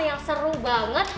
yang seru banget